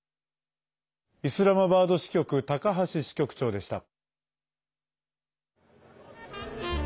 イスラマバード支局高橋支局長でした。